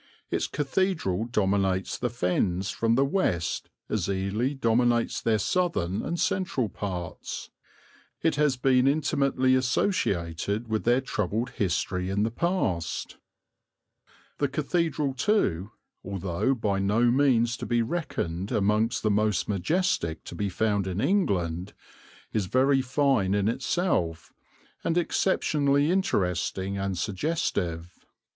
Its cathedral dominates the Fens from the west as Ely dominates their southern and central parts; it has been intimately associated with their troubled history in the past. The cathedral too, although by no means to be reckoned amongst the most majestic to be found in England, is very fine in itself, and exceptionally interesting and suggestive.